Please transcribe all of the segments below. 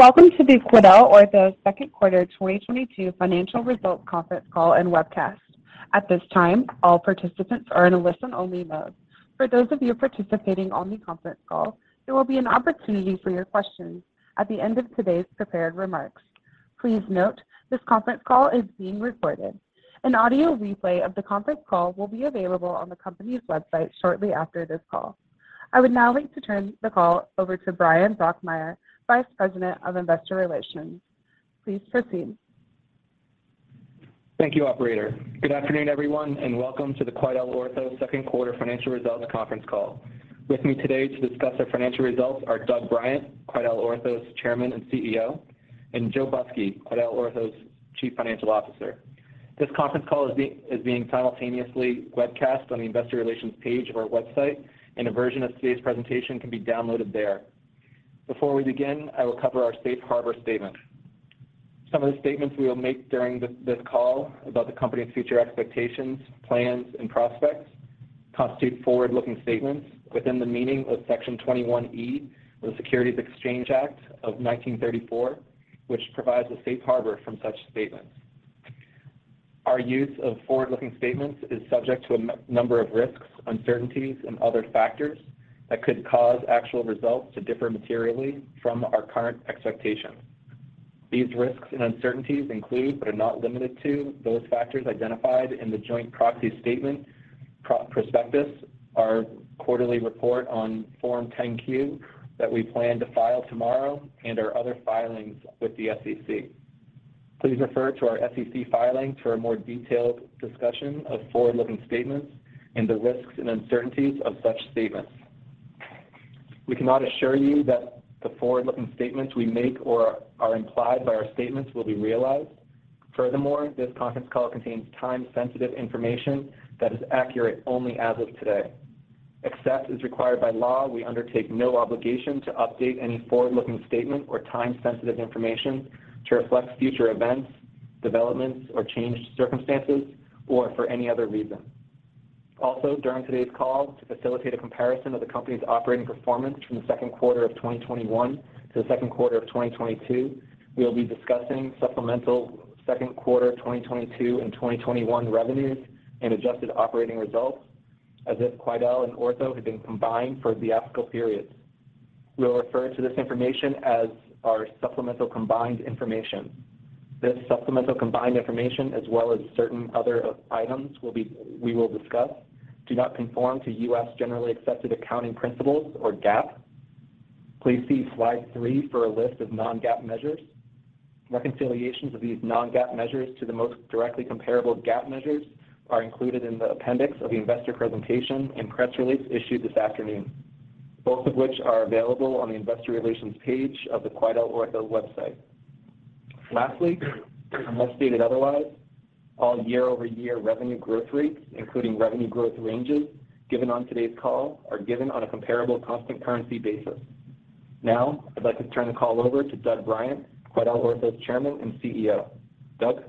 Welcome to the QuidelOrtho second quarter 2022 financial results conference call and webcast. At this time, all participants are in a listen-only mode. For those of you participating on the conference call, there will be an opportunity for your questions at the end of today's prepared remarks. Please note, this conference call is being recorded. An audio replay of the conference call will be available on the company's website shortly after this call. I would now like to turn the call over to Bryan Brokmeier, Vice President of Investor Relations. Please proceed. Thank you, operator. Good afternoon, everyone, and welcome to the QuidelOrtho second quarter financial results conference call. With me today to discuss our financial results are Doug Bryant, QuidelOrtho's Chairman and CEO, and Joe Busky, QuidelOrtho's Chief Financial Officer. This conference call is being simultaneously webcast on the investor relations page of our website and a version of today's presentation can be downloaded there. Before we begin, I will cover our safe harbor statement. Some of the statements we will make during this call about the company's future expectations, plans, and prospects constitute forward-looking statements within the meaning of Section 21E of the Securities Exchange Act of 1934, which provides a safe harbor from such statements. Our use of forward-looking statements is subject to a number of risks, uncertainties, and other factors that could cause actual results to differ materially from our current expectations. These risks and uncertainties include, but are not limited to, those factors identified in the Joint Proxy Statement/Prospectus, our quarterly report on Form 10-Q that we plan to file tomorrow, and our other filings with the SEC. Please refer to our SEC filings for a more detailed discussion of forward-looking statements and the risks and uncertainties of such statements. We cannot assure you that the forward-looking statements we make or are implied by our statements will be realized. Furthermore, this conference call contains time-sensitive information that is accurate only as of today. Except as required by law, we undertake no obligation to update any forward-looking statement or time-sensitive information to reflect future events, developments or changed circumstances or for any other reason. Also, during today's call, to facilitate a comparison of the company's operating performance from the second quarter of 2021 to the second quarter of 2022, we will be discussing supplemental second quarter 2022 and 2021 revenues and adjusted operating results as if Quidel and Ortho had been combined for the fiscal periods. We will refer to this information as our supplemental combined information. This supplemental combined information, as well as certain other items we will discuss, do not conform to U.S. generally accepted accounting principles or GAAP. Please see slide three for a list of non-GAAP measures. Reconciliations of these non-GAAP measures to the most directly comparable GAAP measures are included in the appendix of the investor presentation and press release issued this afternoon, both of which are available on the investor relations page of the QuidelOrtho website. Lastly, unless stated otherwise, all year-over-year revenue growth rates, including revenue growth ranges given on today's call, are given on a comparable constant currency basis. Now, I'd like to turn the call over to Doug Bryant, QuidelOrtho's Chairman and CEO. Doug?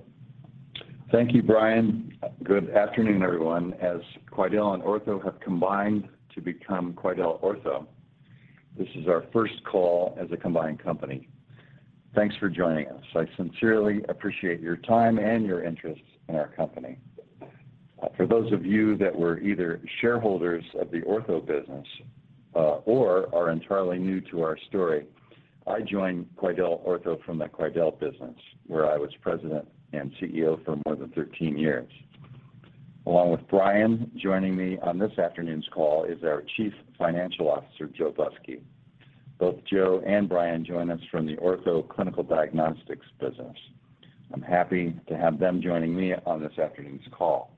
Thank you, Bryan. Good afternoon, everyone. As Quidel and Ortho have combined to become QuidelOrtho, this is our first call as a combined company. Thanks for joining us. I sincerely appreciate your time and your interest in our company. For those of you that were either shareholders of the Ortho business, or are entirely new to our story, I joined QuidelOrtho from the Quidel business where I was President and CEO for more than 13 years. Along with Bryan, joining me on this afternoon's call is our Chief Financial Officer, Joe Busky. Both Joe and Bryan join us from the Ortho Clinical Diagnostics business. I'm happy to have them joining me on this afternoon's call.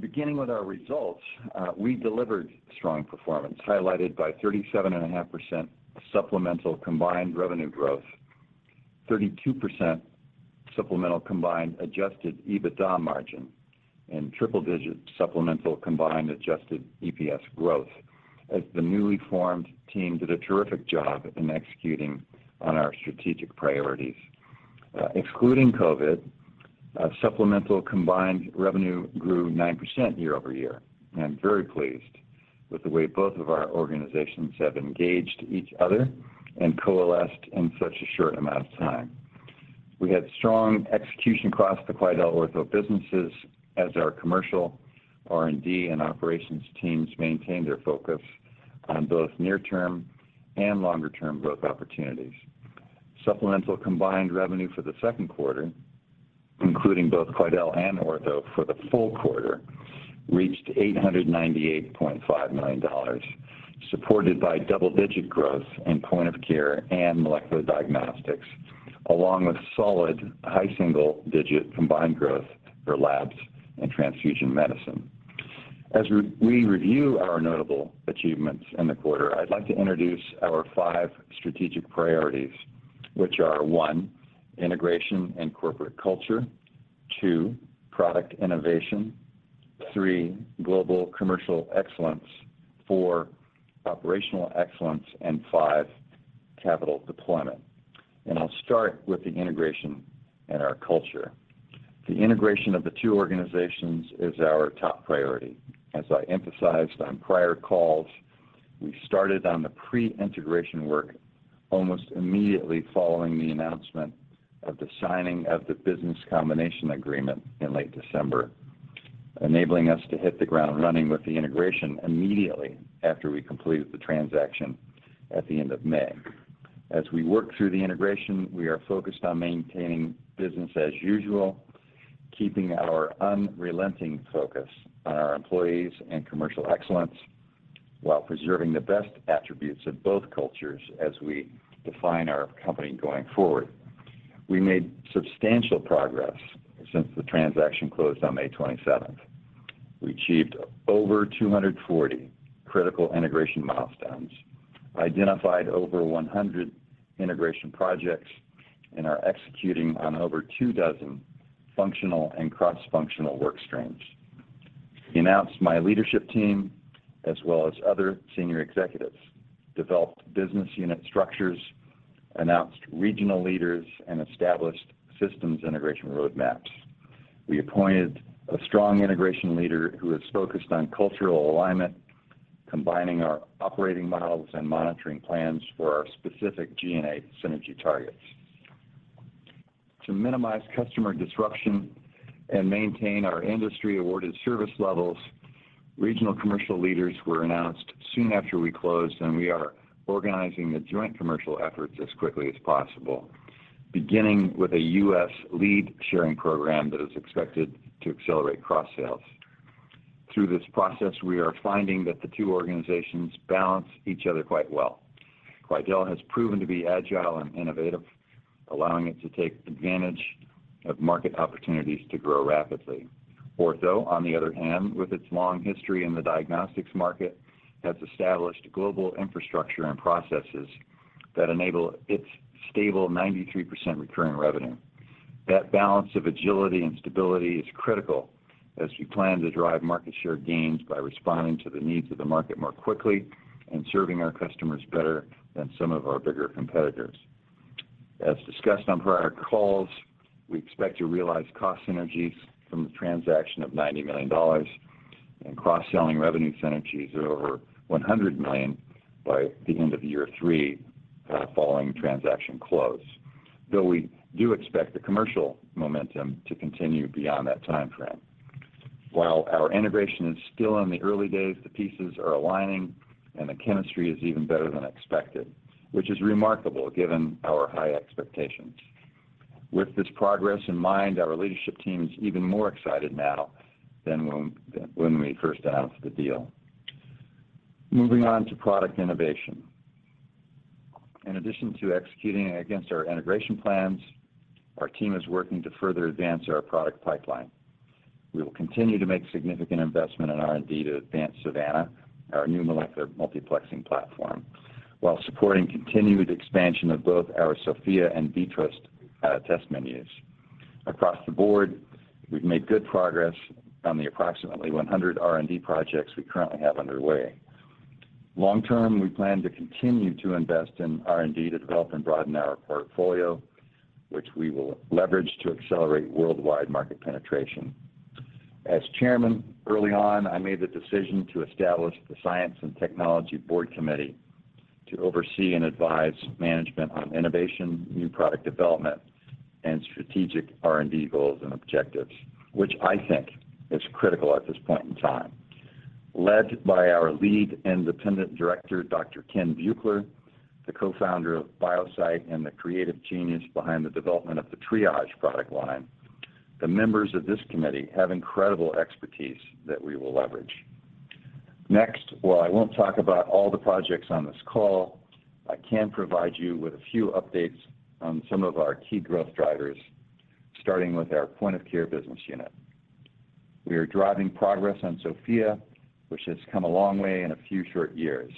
Beginning with our results, we delivered strong performance highlighted by 37.5% supplemental combined revenue growth, 32% supplemental combined adjusted EBITDA margin, and triple-digit supplemental combined adjusted EPS growth as the newly formed team did a terrific job in executing on our strategic priorities. Excluding COVID, supplemental combined revenue grew 9% year-over-year. I'm very pleased with the way both of our organizations have engaged each other and coalesced in such a short amount of time. We had strong execution across QuidelOrtho businesses as our commercial R&D and operations teams maintained their focus on both near-term and longer-term growth opportunities. Supplemental combined revenue for the second quarter, including both Quidel and Ortho for the full quarter, reached $898.5 million, supported by double-digit growth in point of care and molecular diagnostics, along with solid high single digit combined growth for labs and transfusion medicine. As we review our notable achievements in the quarter, I'd like to introduce our five strategic priorities, which are one, integration and corporate culture, two, product innovation, three, global commercial excellence, four, operational excellence, and five, capital deployment. I'll start with the integration and our culture. The integration of the two organizations is our top priority. As I emphasized on prior calls, we started on the pre-integration work almost immediately following the announcement of the signing of the business combination agreement in late December, enabling us to hit the ground running with the integration immediately after we completed the transaction at the end of May. As we work through the integration, we are focused on maintaining business as usual, keeping our unrelenting focus on our employees and commercial excellence while preserving the best attributes of both cultures as we define our company going forward. We made substantial progress since the transaction closed on May 27th. We achieved over 240 critical integration milestones, identified over 100 integration projects, and are executing on over two dozen functional and cross-functional work streams. Announced my leadership team as well as other senior executives, developed business unit structures, announced regional leaders, and established systems integration roadmaps. We appointed a strong integration leader who is focused on cultural alignment, combining our operating models and monitoring plans for our specific G&A synergy targets. To minimize customer disruption and maintain our industry-awarded service levels, regional commercial leaders were announced soon after we closed, and we are organizing the joint commercial efforts as quickly as possible, beginning with a U.S. lead-sharing program that is expected to accelerate cross-sales. Through this process, we are finding that the two organizations balance each other quite well. Quidel has proven to be agile and innovative, allowing it to take advantage of market opportunities to grow rapidly. Ortho, on the other hand, with its long history in the diagnostics market, has established global infrastructure and processes that enable its stable 93% recurring revenue. That balance of agility and stability is critical as we plan to drive market share gains by responding to the needs of the market more quickly and serving our customers better than some of our bigger competitors. As discussed on prior calls, we expect to realize cost synergies from the transaction of $90 million and cross-selling revenue synergies of over $100 million by the end of year three following transaction close, though we do expect the commercial momentum to continue beyond that time frame. While our integration is still in the early days, the pieces are aligning and the chemistry is even better than expected, which is remarkable given our high expectations. With this progress in mind, our leadership team is even more excited now than when we first announced the deal. Moving on to product innovation. In addition to executing against our integration plans, our team is working to further advance our product pipeline. We will continue to make significant investment in R&D to advance Savanna, our new molecular multiplexing platform, while supporting continued expansion of both our Sofia and VITROS test menus. Across the board, we've made good progress on the approximately 100 R&D projects we currently have underway. Long term, we plan to continue to invest in R&D to develop and broaden our portfolio, which we will leverage to accelerate worldwide market penetration. As Chairman, early on, I made the decision to establish the Science and Technology Board Committee to oversee and advise management on innovation, new product development, and strategic R&D goals and objectives, which I think is critical at this point in time. Led by our Lead Independent Director, Dr. Ken Buechler, the Co-founder of Biosite and the creative genius behind the development of the Triage product line. The members of this committee have incredible expertise that we will leverage. Next, while I won't talk about all the projects on this call, I can provide you with a few updates on some of our key growth drivers, starting with our point-of-care business unit. We are driving progress on Sofia, which has come a long way in a few short years.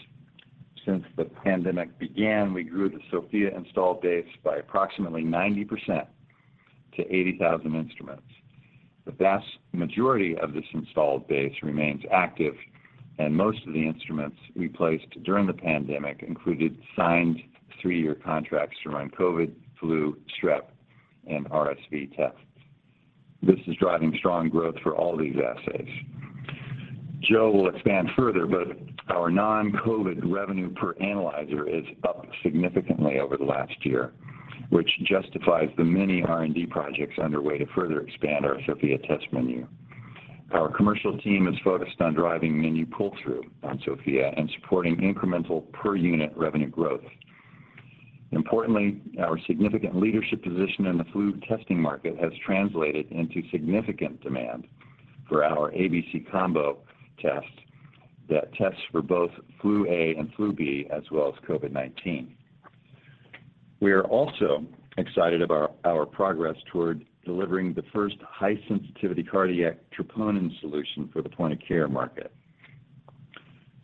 Since the pandemic began, we grew the Sofia installed base by approximately 90% to 80,000 instruments. The vast majority of this installed base remains active, and most of the instruments we placed during the pandemic included signed three-year contracts to run COVID, flu, strep, and RSV tests. This is driving strong growth for all these assays. Joe will expand further, but our non-COVID revenue per analyzer is up significantly over the last year, which justifies the many R&D projects underway to further expand our Sofia test menu. Our commercial team is focused on driving menu pull-through on Sofia and supporting incremental per-unit revenue growth. Importantly, our significant leadership position in the flu testing market has translated into significant demand for our ABC Combo test that tests for both flu A and flu B, as well as COVID-19. We are also excited about our progress toward delivering the first high-sensitivity cardiac troponin solution for the point-of-care market.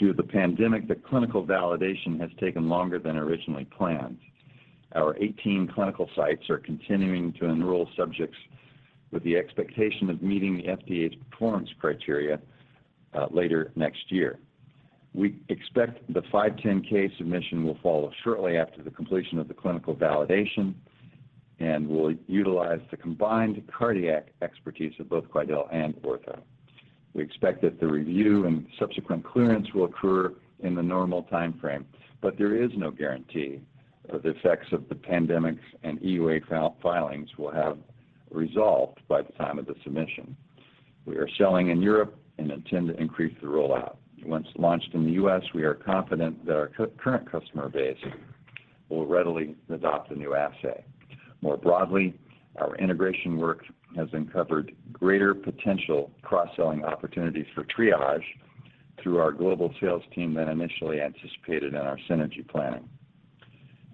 Due to the pandemic, the clinical validation has taken longer than originally planned. Our 18 clinical sites are continuing to enroll subjects with the expectation of meeting the FDA's performance criteria later next year. We expect the 510(k) submission will follow shortly after the completion of the clinical validation and will utilize the combined cardiac expertise of both Quidel and Ortho. We expect that the review and subsequent clearance will occur in the normal timeframe, but there is no guarantee that the effects of the pandemic and EUA filings will have resolved by the time of the submission. We are selling in Europe and intend to increase the rollout. Once launched in the U.S., we are confident that our current customer base will readily adopt the new assay. More broadly, our integration work has uncovered greater potential cross-selling opportunities for triage through our global sales team than initially anticipated in our synergy planning.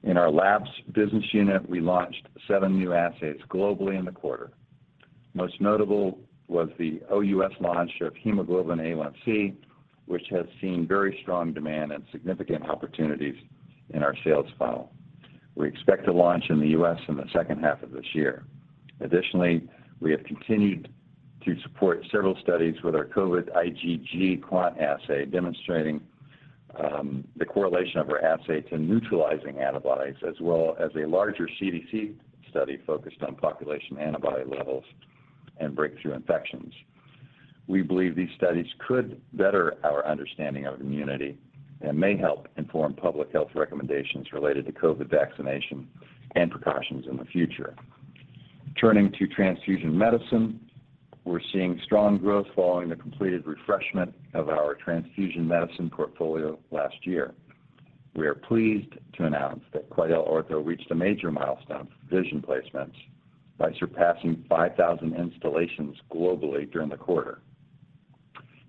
In our labs business unit, we launched seven new assays globally in the quarter. Most notable was the OUS launch of hemoglobin A1c, which has seen very strong demand and significant opportunities in our sales funnel. We expect to launch in the U.S. in the second half of this year. Additionally, we have continued to support several studies with our COVID IgG quant assay demonstrating the correlation of our assay to neutralizing antibodies as well as a larger CDC study focused on population antibody levels and breakthrough infections. We believe these studies could better our understanding of immunity and may help inform public health recommendations related to COVID vaccination and precautions in the future. Turning to transfusion medicine, we're seeing strong growth following the completed refreshment of our transfusion medicine portfolio last year. We are pleased to announce that QuidelOrtho reached a major milestone for VISION placements by surpassing 5,000 installations globally during the quarter.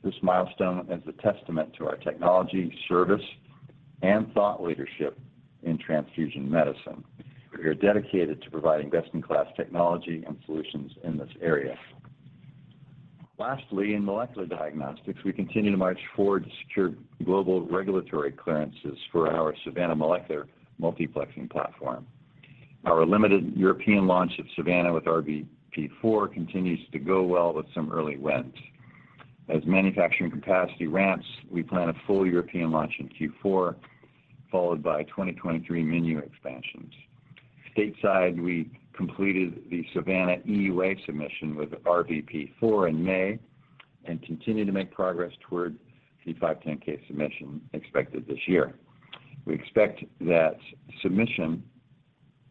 This milestone is a testament to our technology, service, and thought leadership in transfusion medicine. We are dedicated to providing best-in-class technology and solutions in this area. Lastly, in molecular diagnostics, we continue to march forward to secure global regulatory clearances for our Savanna molecular multiplexing platform. Our limited European launch of Savanna with RVP4 continues to go well with some early wins. As manufacturing capacity ramps, we plan a full European launch in Q4, followed by 2023 menu expansions. Stateside, we completed the Savanna EUA submission with RVP4 in May and continue to make progress toward the 510(k) submission expected this year. We expect that submission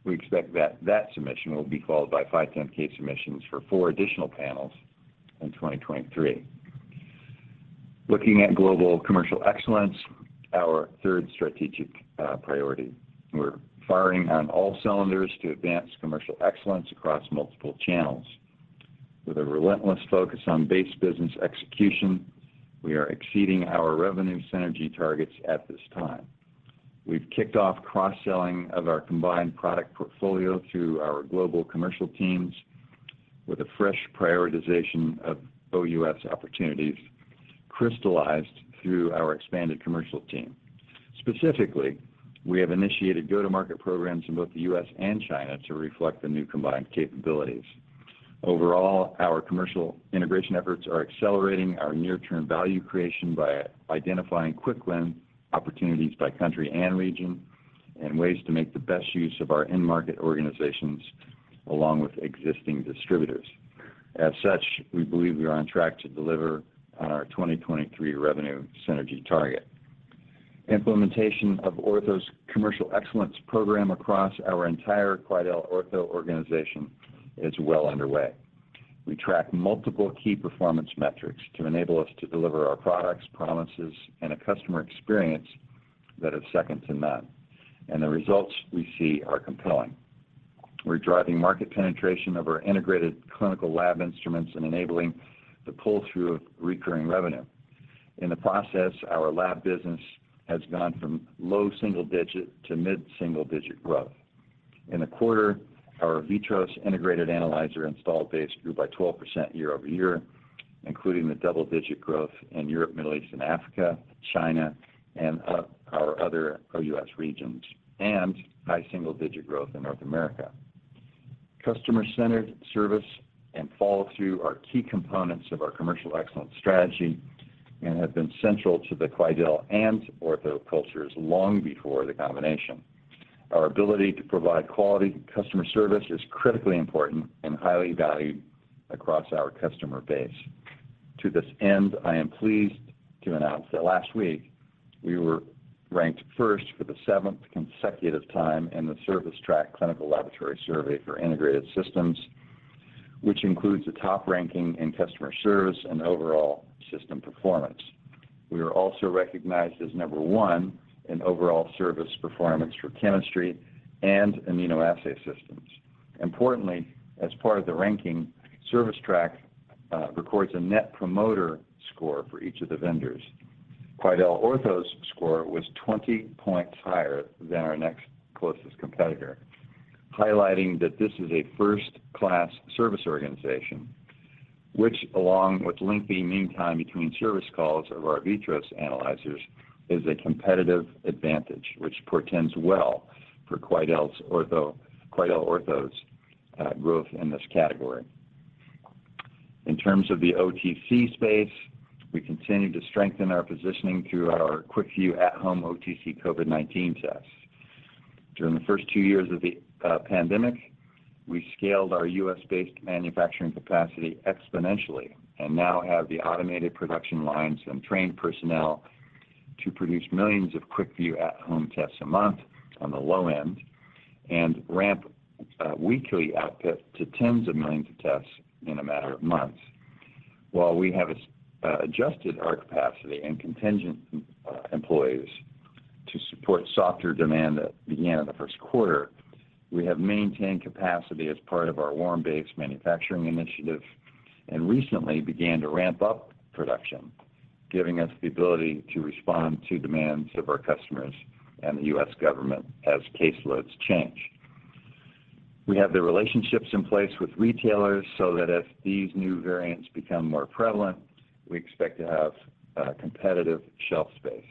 will be followed by 510(k) submissions for four additional panels in 2023. Looking at global commercial excellence, our third strategic priority, we're firing on all cylinders to advance commercial excellence across multiple channels. With a relentless focus on base business execution, we are exceeding our revenue synergy targets at this time. We've kicked off cross-selling of our combined product portfolio through our global commercial teams with a fresh prioritization of OUS opportunities crystallized through our expanded commercial team. Specifically, we have initiated go-to-market programs in both the U.S. and China to reflect the new combined capabilities. Overall, our commercial integration efforts are accelerating our near-term value creation by identifying quick-win opportunities by country and region and ways to make the best use of our in-market organizations along with existing distributors. As such, we believe we are on track to deliver on our 2023 revenue synergy target. Implementation of Ortho's commercial excellence program across our entire QuidelOrtho organization is well underway. We track multiple key performance metrics to enable us to deliver our products, promises, and a customer experience that is second to none. The results we see are compelling. We're driving market penetration of our integrated clinical lab instruments and enabling the pull-through of recurring revenue. In the process, our lab business has gone from low single-digit to mid-single-digit growth. In the quarter, our VITROS integrated analyzer install base grew by 12% year-over-year, including the double-digit growth in Europe, Middle East, and Africa, China, and our other OUS regions, and high single-digit growth in North America. Customer-centered service and follow-through are key components of our commercial excellence strategy and have been central to the Quidel and Ortho cultures long before the combination. Our ability to provide quality customer service is critically important and highly valued across our customer base. To this end, I am pleased to announce that last week we were ranked first for the seventh consecutive time in the ServiceTrak Clinical Laboratory Survey for Integrated Systems, which includes a top ranking in customer service and overall system performance. We were also recognized as number one in overall service performance for chemistry and immunoassay systems. Importantly, as part of the ranking, ServiceTrak records a net promoter score for each of the vendors. QuidelOrtho's score was 20 points higher than our next closest competitor, highlighting that this is a first-class service organization, which along with lengthy mean time between service calls of our VITROS analyzers is a competitive advantage, which portends well for QuidelOrtho's growth in this category. In terms of the OTC space, we continue to strengthen our positioning through our QuickVue at-home OTC COVID-19 tests. During the first two years of the pandemic, we scaled our U.S. based manufacturing capacity exponentially and now have the automated production lines and trained personnel to produce millions of QuickVue at-home tests a month on the low end and ramp weekly output to tens of millions of tests in a matter of months. While we have scaled back our capacity and contingent employees to support softer demand that began in the first quarter, we have maintained capacity as part of our warm base manufacturing initiative and recently began to ramp up production, giving us the ability to respond to demands of our customers and the U.S. government as caseloads change. We have the relationships in place with retailers so that as these new variants become more prevalent, we expect to have competitive shelf space.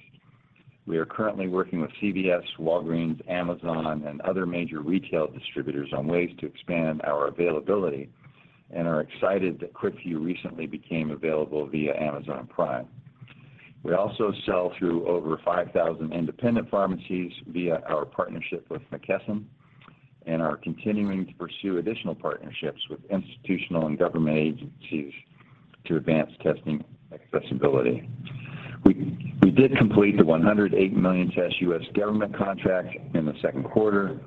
We are currently working with CVS, Walgreens, Amazon, and other major retail distributors on ways to expand our availability and are excited that QuickVue recently became available via Amazon Prime. We also sell through over 5,000 independent pharmacies via our partnership with McKesson and are continuing to pursue additional partnerships with institutional and government agencies to advance testing accessibility. We did complete the 108 million-test U.S. government contract in the second quarter.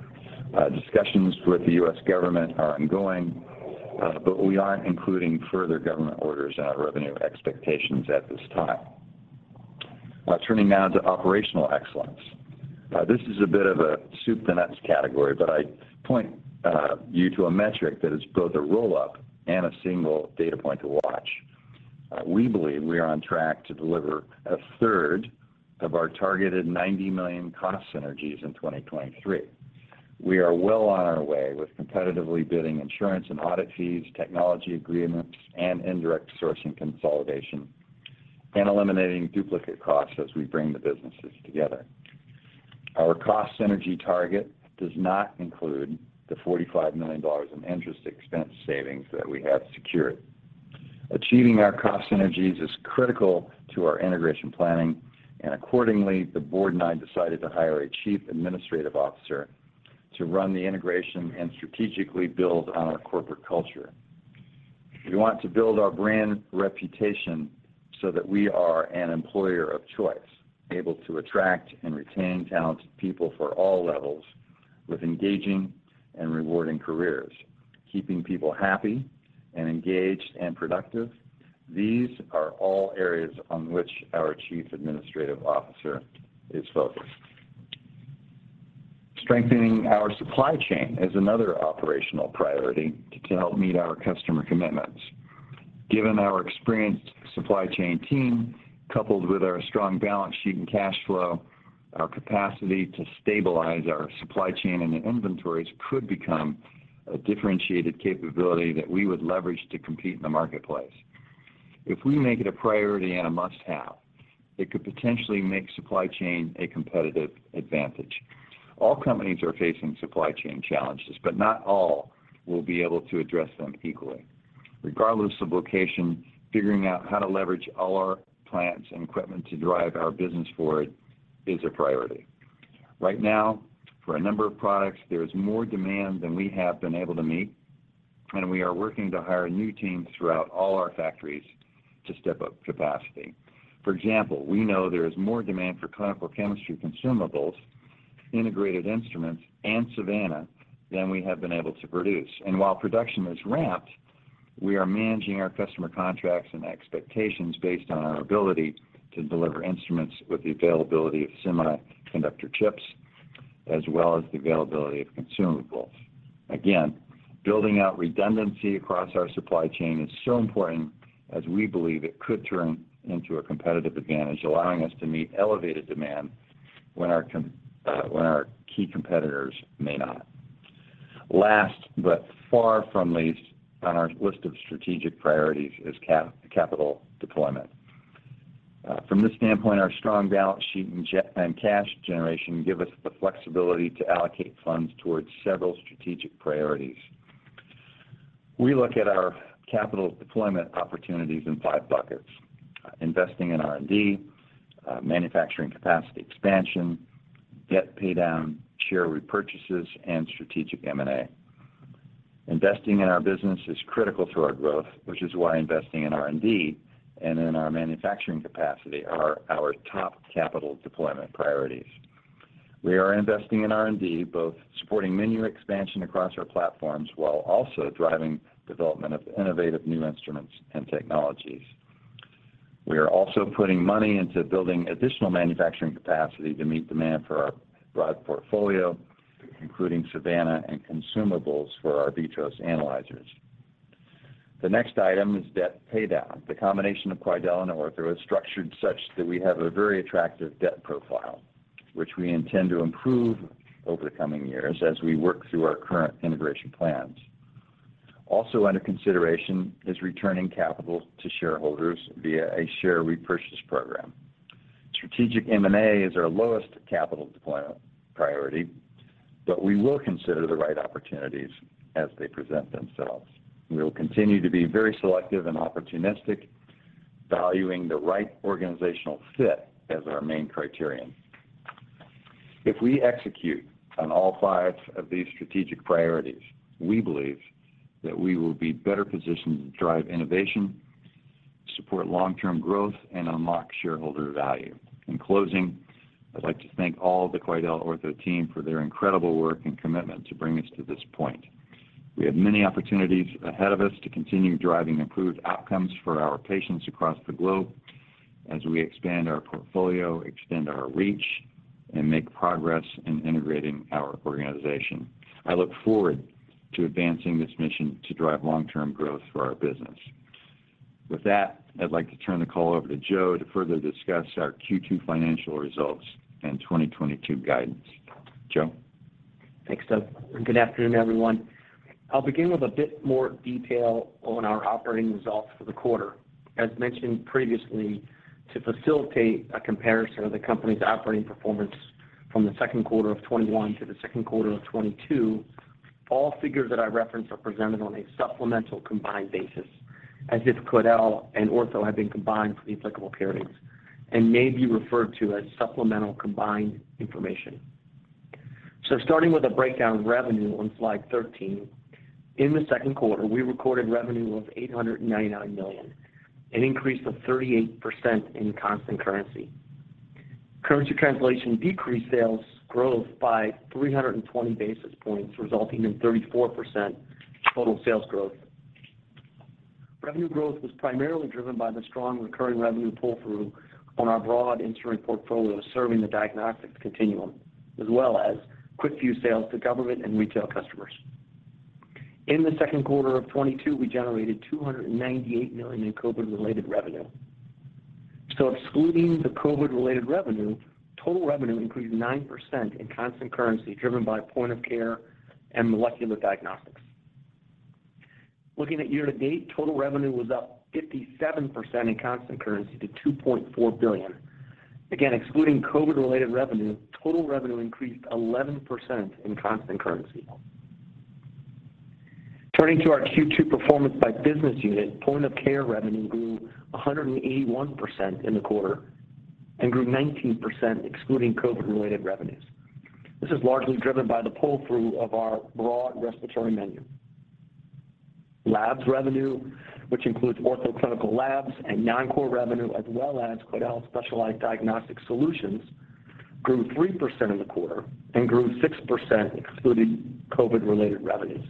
Discussions with the U.S. government are ongoing, but we aren't including further government orders in our revenue expectations at this time. Turning now to operational excellence. This is a bit of a soup to nuts category, but I point you to a metric that is both a roll-up and a single data point to watch. We believe we are on track to deliver 1/3 of our targeted $90 million cost synergies in 2023. We are well on our way with competitively bidding insurance and audit fees, technology agreements, and indirect sourcing consolidation, and eliminating duplicate costs as we bring the businesses together. Our cost synergy target does not include the $45 million in interest expense savings that we have secured. Achieving our cost synergies is critical to our integration planning, and accordingly, the board and I decided to hire a Chief Administrative Officer to run the integration and strategically build on our corporate culture. We want to build our brand reputation so that we are an employer of choice, able to attract and retain talented people for all levels with engaging and rewarding careers, keeping people happy and engaged and productive. These are all areas on which our Chief Administrative Officer is focused. Strengthening our supply chain is another operational priority to help meet our customer commitments. Given our experienced supply chain team, coupled with our strong balance sheet and cash flow, our capacity to stabilize our supply chain and inventories could become a differentiated capability that we would leverage to compete in the marketplace. If we make it a priority and a must-have, it could potentially make supply chain a competitive advantage. All companies are facing supply chain challenges, but not all will be able to address them equally. Regardless of location, figuring out how to leverage all our plants and equipment to drive our business forward is a priority. Right now, for a number of products, there is more demand than we have been able to meet, and we are working to hire new teams throughout all our factories to step up capacity. For example, we know there is more demand for clinical chemistry consumables, integrated instruments, and Savanna than we have been able to produce. While production is ramped, we are managing our customer contracts and expectations based on our ability to deliver instruments with the availability of semiconductor chips, as well as the availability of consumables. Again, building out redundancy across our supply chain is so important as we believe it could turn into a competitive advantage, allowing us to meet elevated demand when our key competitors may not. Last but far from least on our list of strategic priorities is capital deployment. From this standpoint, our strong balance sheet and cash generation give us the flexibility to allocate funds toward several strategic priorities. We look at our capital deployment opportunities in five buckets, investing in R&D, manufacturing capacity expansion, debt paydown, share repurchases, and strategic M&A. Investing in our business is critical to our growth, which is why investing in R&D and in our manufacturing capacity are our top capital deployment priorities. We are investing in R&D, both supporting menu expansion across our platforms while also driving development of innovative new instruments and technologies. We are also putting money into building additional manufacturing capacity to meet demand for our broad portfolio, including Savanna and consumables for our VITROS analyzers. The next item is debt paydown. The combination of Quidel and Ortho is structured such that we have a very attractive debt profile, which we intend to improve over the coming years as we work through our current integration plans. Also under consideration is returning capital to shareholders via a share repurchase program. Strategic M&A is our lowest capital deployment priority, but we will consider the right opportunities as they present themselves. We will continue to be very selective and opportunistic, valuing the right organizational fit as our main criterion. If we execute on all five of these strategic priorities, we believe that we will be better positioned to drive innovation, support long-term growth, and unlock shareholder value. In closing, I'd like to thank all the QuidelOrtho team for their incredible work and commitment to bring us to this point. We have many opportunities ahead of us to continue driving improved outcomes for our patients across the globe as we expand our portfolio, extend our reach, and make progress in integrating our organization. I look forward to advancing this mission to drive long-term growth for our business. With that, I'd like to turn the call over to Joe to further discuss our Q2 financial results and 2022 guidance. Joe? Thanks, Doug, and good afternoon, everyone. I'll begin with a bit more detail on our operating results for the quarter. As mentioned previously, to facilitate a comparison of the company's operating performance from the second quarter of 2021 to the second quarter of 2022, all figures that I reference are presented on a supplemental combined basis, as if Quidel and Ortho have been combined for the applicable periods, and may be referred to as supplemental combined information. Starting with a breakdown of revenue on slide 13, in the second quarter, we recorded revenue of $899 million, an increase of 38% in constant currency. Currency translation decreased sales growth by 320 basis points, resulting in 34% total sales growth. Revenue growth was primarily driven by the strong recurring revenue pull-through on our broad instrument portfolio serving the diagnostics continuum, as well as QuickVue sales to government and retail customers. In the second quarter of 2022, we generated $298 million in COVID-related revenue. Excluding the COVID-related revenue, total revenue increased 9% in constant currency, driven by point-of-care and molecular diagnostics. Looking at year-to-date, total revenue was up 57% in constant currency to $2.4 billion. Again, excluding COVID-related revenue, total revenue increased 11% in constant currency. Turning to our Q2 performance by business unit, point-of-care revenue grew 181% in the quarter and grew 19% excluding COVID-related revenues. This is largely driven by the pull-through of our broad respiratory menu. Labs revenue, which includes Ortho Clinical labs and non-core revenue, as well as Quidel specialized diagnostic solutions, grew 3% in the quarter and grew 6% excluding COVID-related revenues,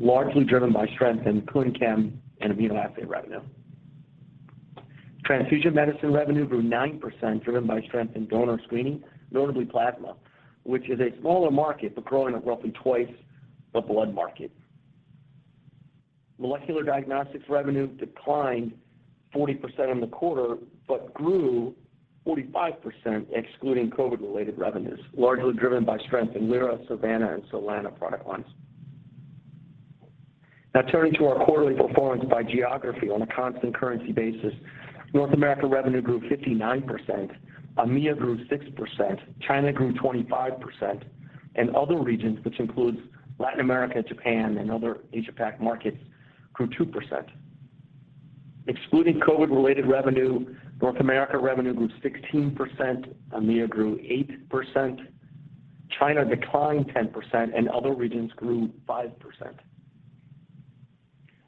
largely driven by strength in clin chem and immunoassay revenue. Transfusion medicine revenue grew 9% driven by strength in donor screening, notably plasma, which is a smaller market but growing at roughly twice the blood market. Molecular diagnostics revenue declined 40% in the quarter, but grew 45% excluding COVID-related revenues, largely driven by strength in Lyra, Savanna, and Solana product lines. Now turning to our quarterly performance by geography on a constant currency basis, North America revenue grew 59%, EMEA grew 6%, China grew 25%, and other regions, which includes Latin America, Japan, and other Asia-Pac markets, grew 2%. Excluding COVID-related revenue, North America revenue grew 16%, EMEA grew 8%, China declined 10%, and other regions grew 5%.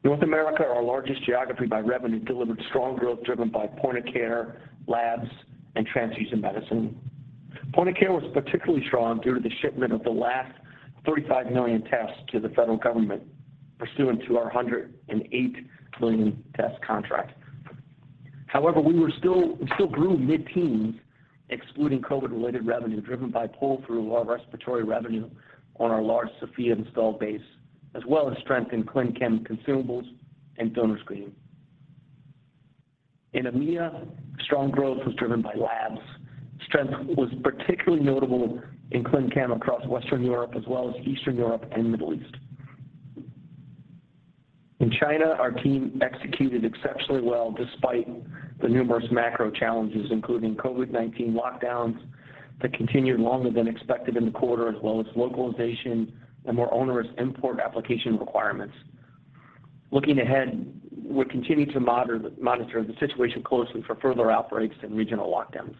North America, our largest geography by revenue, delivered strong growth driven by point of care, labs, and transfusion medicine. Point of care was particularly strong due to the shipment of the last 35 million tests to the federal government pursuant to our 108 million test contract. However, we were still grew mid-teens excluding COVID-related revenue driven by pull-through of our respiratory revenue on our large Sofia install base, as well as strength in clin chem consumables and donor screening. In EMEA, strong growth was driven by labs. Strength was particularly notable in clin chem across Western Europe as well as Eastern Europe and Middle East. In China, our team executed exceptionally well despite the numerous macro challenges, including COVID-19 lockdowns that continued longer than expected in the quarter, as well as localization and more onerous import application requirements. Looking ahead, we continue to monitor the situation closely for further outbreaks and regional lockdowns.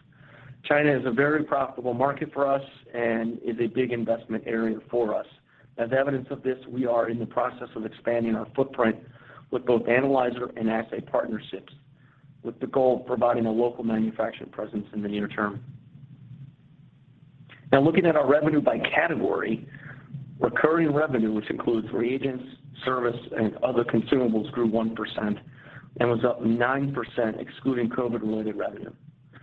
China is a very profitable market for us and is a big investment area for us. As evidence of this, we are in the process of expanding our footprint with both analyzer and assay partnerships, with the goal of providing a local manufacturing presence in the near term. Now looking at our revenue by category, recurring revenue, which includes reagents, service, and other consumables, grew 1% and was up 9% excluding COVID-related revenue,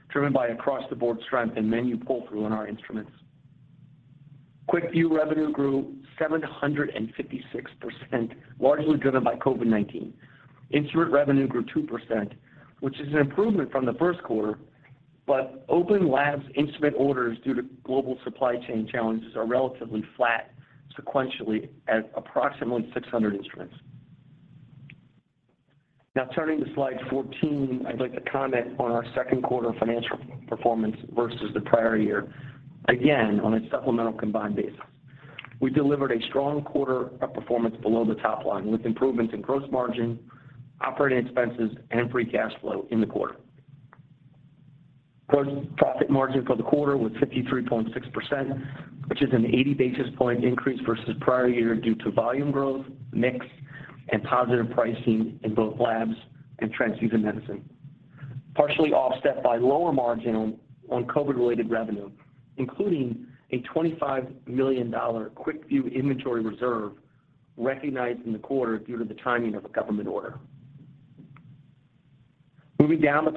driven by across-the-board strength and menu pull-through on our instruments. QuickVue revenue grew 756%, largely driven by COVID-19. Instrument revenue grew 2%, which is an improvement from the first quarter, but open labs instrument orders due to global supply chain challenges are relatively flat sequentially at approximately 600 instruments. Now turning to slide 14, I'd like to comment on our second quarter financial performance versus the prior year, again, on a supplemental combined basis. We delivered a strong quarter of performance below the top line, with improvements in gross margin, operating expenses, and free cash flow in the quarter. Gross profit margin for the quarter was 53.6%, which is an 80 basis point increase versus prior year due to volume growth, mix, and positive pricing in both labs and transfusion medicine, partially offset by lower margin on COVID-related revenue, including a $25 million QuickVue inventory reserve recognized in the quarter due to the timing of a government order. Moving down the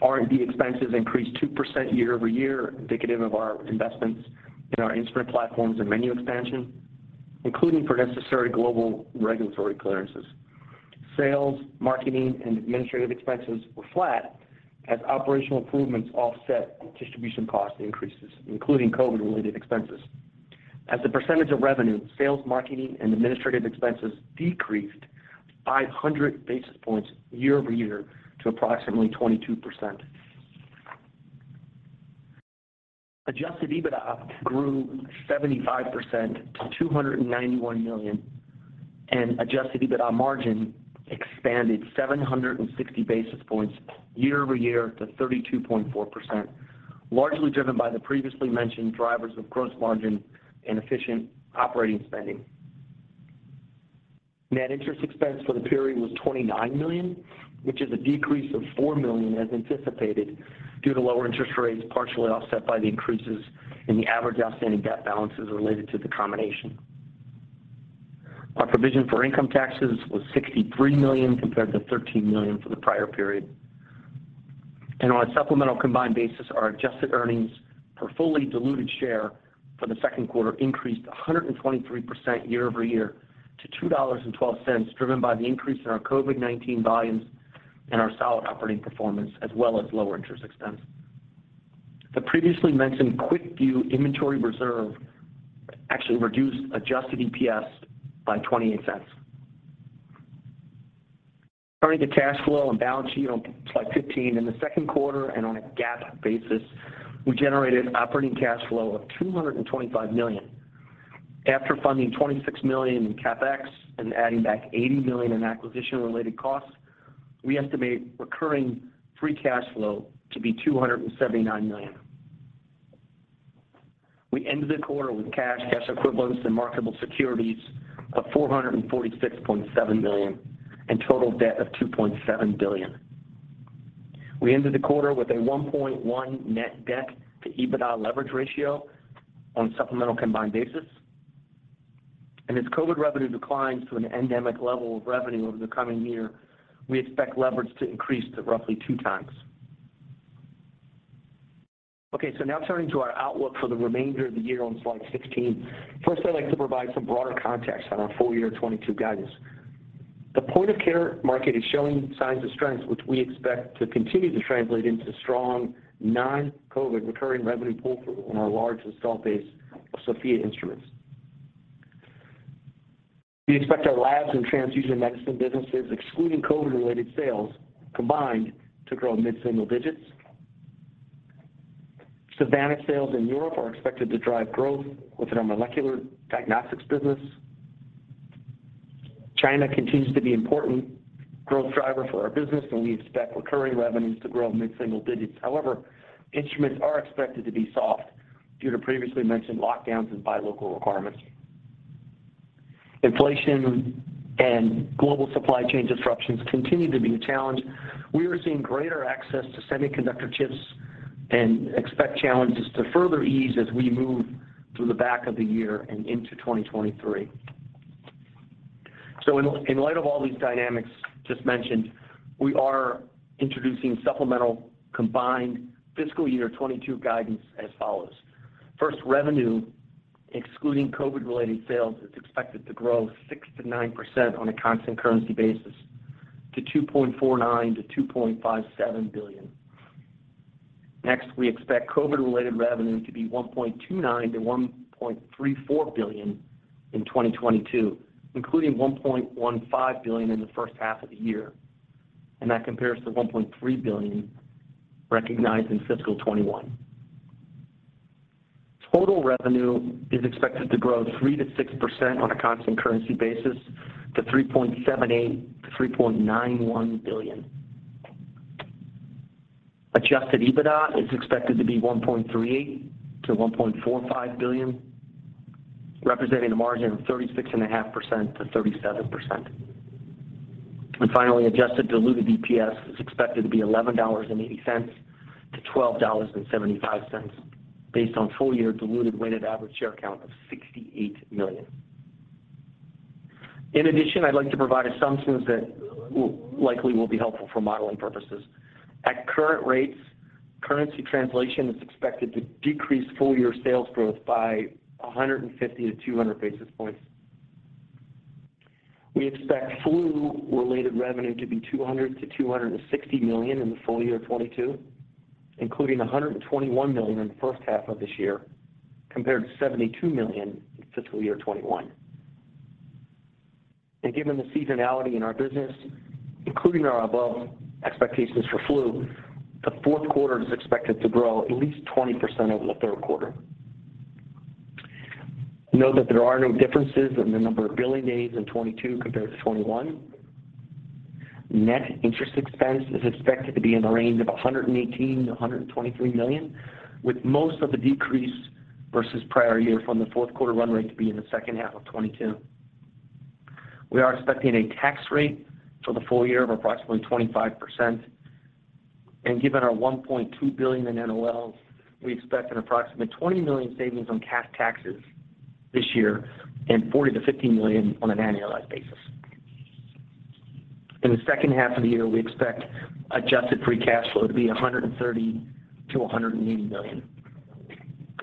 P&L, R&D expenses increased 2% year-over-year, indicative of our investments in our instrument platforms and menu expansion, including for necessary global regulatory clearances. Sales, marketing, and administrative expenses were flat as operational improvements offset distribution cost increases, including COVID-related expenses. As a percentage of revenue, sales, marketing, and administrative expenses decreased 500 basis points year-over-year to approximately 22%. Adjusted EBITDA grew 75% to $291 million, and adjusted EBITDA margin expanded 760 basis points year-over-year to 32.4%, largely driven by the previously mentioned drivers of gross margin and efficient operating spending. Net interest expense for the period was $29 million, which is a decrease of $4 million as anticipated due to lower interest rates, partially offset by the increases in the average outstanding debt balances related to the combination. Our provision for income taxes was $63 million compared to $13 million for the prior period. On a supplemental combined basis, our adjusted earnings per fully diluted share for the second quarter increased 123% year-over-year to $2.12, driven by the increase in our COVID-19 volumes and our solid operating performance as well as lower interest expense. The previously mentioned QuickVue inventory reserve actually reduced adjusted EPS by $0.28. Turning to cash flow and balance sheet on slide 15. In the second quarter and on a GAAP basis, we generated operating cash flow of $225 million. After funding $26 million in CapEx and adding back $80 million in acquisition-related costs, we estimate recurring free cash flow to be $279 million. We ended the quarter with cash equivalents, and marketable securities of $446.7 million and total debt of $2.7 billion. We ended the quarter with a 1.1x net debt to EBITDA leverage ratio on a supplemental combined basis. As COVID revenue declines to an endemic level of revenue over the coming year, we expect leverage to increase to roughly 2x. Okay. Now turning to our outlook for the remainder of the year on slide 16. First, I'd like to provide some broader context on our full year 2022 guidance. The point of care market is showing signs of strength, which we expect to continue to translate into strong non-COVID recurring revenue pull-through in our large installed base of Sofia instruments. We expect our labs and transfusion medicine businesses, excluding COVID-related sales, combined to grow mid-single digits. Savanna sales in Europe are expected to drive growth within our molecular diagnostics business. China continues to be important growth driver for our business, and we expect recurring revenues to grow mid-single digits. However, instruments are expected to be soft due to previously mentioned lockdowns and buy local requirements. Inflation and global supply chain disruptions continue to be a challenge. We are seeing greater access to semiconductor chips and expect challenges to further ease as we move through the back half of the year and into 2023. In light of all these dynamics just mentioned, we are introducing supplemental combined fiscal year 2022 guidance as follows. First, revenue excluding COVID-related sales is expected to grow 6%-9% on a constant currency basis to $2.49 billion-$2.57 billion. Next, we expect COVID-related revenue to be $1.29 billion-$1.34 billion in 2022, including $1.15 billion in the first half of the year, and that compares to $1.3 billion recognized in fiscal 2021. Total revenue is expected to grow 3%-6% on a constant currency basis to $3.78 billion-$3.91 billion. Adjusted EBITDA is expected to be $1.38 billion-$1.45 billion, representing a margin of 36.5%-37%. Finally, adjusted diluted EPS is expected to be $11.80-$12.75 based on full year diluted weighted average share count of 68 million. In addition, I'd like to provide assumptions that will likely be helpful for modeling purposes. At current rates, currency translation is expected to decrease full year sales growth by 150-200 basis points. We expect flu-related revenue to be $200 million-$260 million in the full year of 2022. Including $121 million in the first half of this year, compared to $72 million in fiscal year 2021. Given the seasonality in our business, including our above expectations for flu, the fourth quarter is expected to grow at least 20% over the third quarter. Note that there are no differences in the number of billing days in 2022 compared to 2021. Net interest expense is expected to be in the range of $118 million-$123 million, with most of the decrease versus prior year from the fourth quarter run rate to be in the second half of 2022. We are expecting a tax rate for the full year of approximately 25%. Given our $1.2 billion in NOLs, we expect an approximate $20 million savings on cash taxes this year and $40 million-$50 million on an annualized basis. In the second half of the year, we expect adjusted free cash flow to be $130 million-$180 million.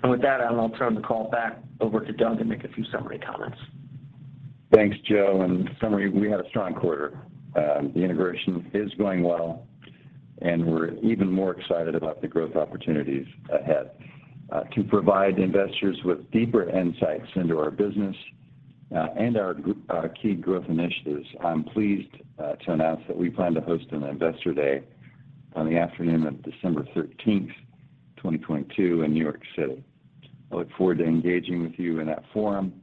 With that, I'll turn the call back over to Doug to make a few summary comments. Thanks, Joe. In summary, we had a strong quarter. The integration is going well, and we're even more excited about the growth opportunities ahead. To provide investors with deeper insights into our business and our key growth initiatives, I'm pleased to announce that we plan to host an Investor Day on the afternoon of December 13th, 2022 in New York City. I look forward to engaging with you in that forum,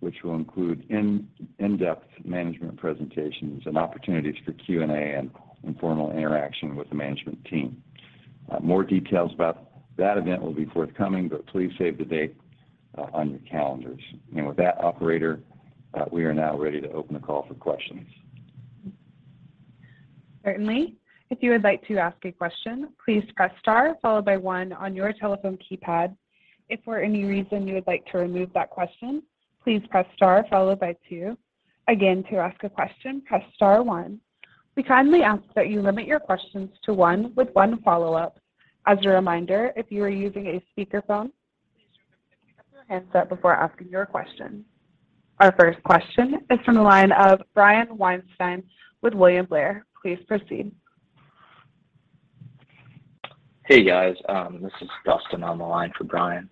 which will include in-depth management presentations and opportunities for Q&A and informal interaction with the management team. More details about that event will be forthcoming, but please save the date on your calendars. With that, operator, we are now ready to open the call for questions. Certainly. If you would like to ask a question, please press star followed by one on your telephone keypad. If for any reason you would like to remove that question, please press star followed by two. Again, to ask a question, press star one. We kindly ask that you limit your questions to one with one follow-up. As a reminder, if you are using a speakerphone, please remember to pick up your handset before asking your question. Our first question is from the line of Brian Weinstein with William Blair. Please proceed. Hey, guys. This is Dustin on the line for Brian.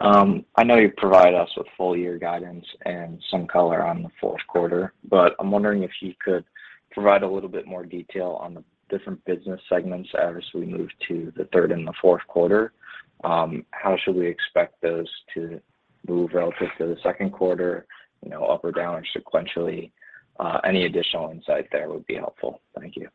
I know you provide us with full year guidance and some color on the fourth quarter, but I'm wondering if you could provide a little bit more detail on the different business segments as we move to the third and the fourth quarter. How should we expect those to move relative to the second quarter, you know, up or down sequentially? Any additional insight there would be helpful. Thank you.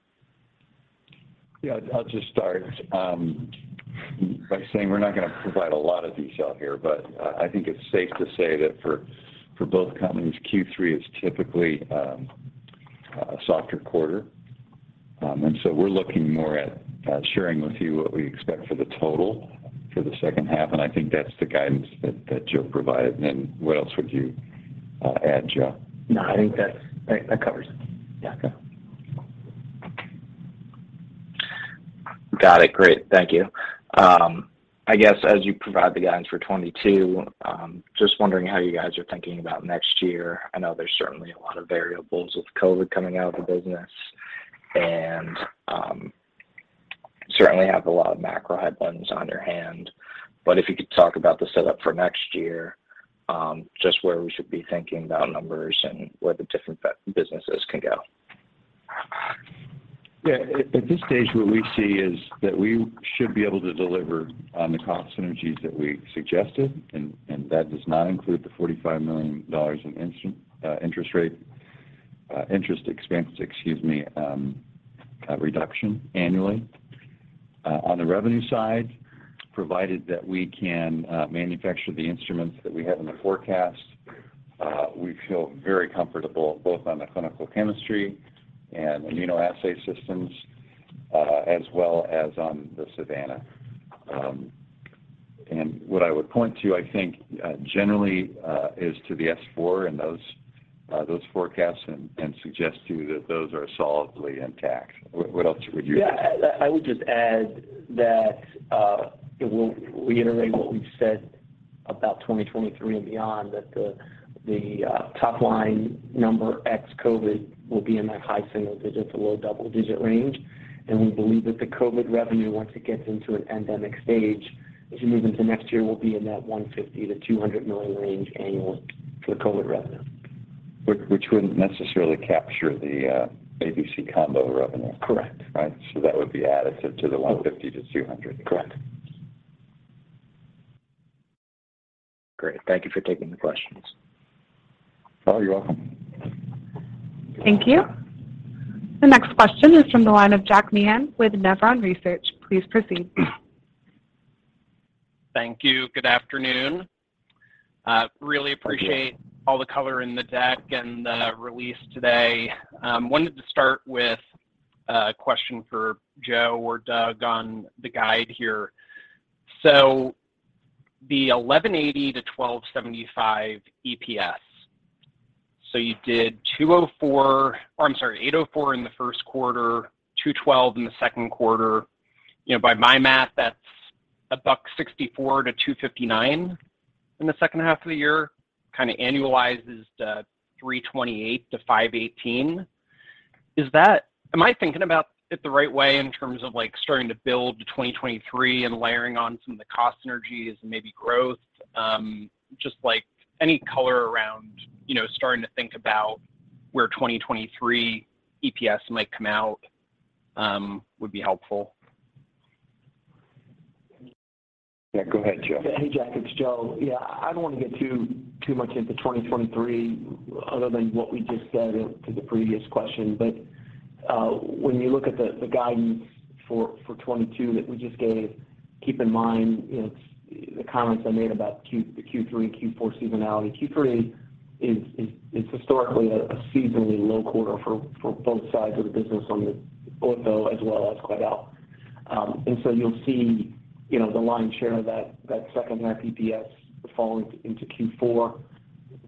Yeah. I'll just start by saying we're not gonna provide a lot of detail here, but I think it's safe to say that for both companies, Q3 is typically a softer quarter. We're looking more at sharing with you what we expect for the total for the second half, and I think that's the guidance that Joe provided. Then what else would you add, Joe? No, I think that covers it. Yeah. Okay. Got it. Great. Thank you. I guess as you provide the guidance for 2022, just wondering how you guys are thinking about next year. I know there's certainly a lot of variables with COVID coming out of the business and certainly have a lot of macro headwinds on your hands. If you could talk about the setup for next year, just where we should be thinking about numbers and where the different businesses can go. Yeah. At this stage, what we see is that we should be able to deliver on the cost synergies that we suggested, and that does not include the $45 million in interest expense reduction annually. On the revenue side, provided that we can manufacture the instruments that we have in the forecast, we feel very comfortable both on the clinical chemistry and immunoassay systems, as well as on the Savanna. What I would point to, I think, generally, is to the S-4 and those forecasts and suggest to you that those are solidly intact. What else would you? Yeah. I would just add that it will reiterate what we've said about 2023 and beyond, that the top line number ex COVID will be in that high single digit to low double-digit range. We believe that the COVID revenue, once it gets into an endemic stage, as we move into next year, will be in that $150 million-$200 million range annually for the COVID revenue. Which wouldn't necessarily capture the ABC Combo revenue. Correct. Right. That would be additive to the $150 million-$200 million. Correct. Great. Thank you for taking the questions. Oh, you're welcome. Thank you. The next question is from the line of Jack Meehan with Nephron Research. Please proceed. Thank you. Good afternoon. Really appreciate. Good afternoon. All the color in the deck and the release today. Wanted to start with a question for Joe or Doug on the guide here. The $11.80-$12.75 EPS. You did $0.804 in the first quarter, $2.12 in the second quarter. You know, by my math, that's a $1.64-$2.59 in the second half of the year kind of annualizes to $3.28-$5.18. Am I thinking about it the right way in terms of, like, starting to build to 2023 and layering on some of the cost synergies and maybe growth? Just like any color around, you know, starting to think about where 2023 EPS might come out, would be helpful. Yeah. Go ahead, Joe. Hey, Jack, it's Joe. Yeah. I don't wanna get too much into 2023 other than what we just said to the previous question. When you look at the guidance for 2022 that we just gave, keep in mind, you know, it's the comments I made about the Q3, Q4 seasonality. Q3 is historically a seasonally low quarter for both sides of the business on the Ortho as well as Quidel. And so you'll see, you know, the lion's share of that second half EPS fall into Q4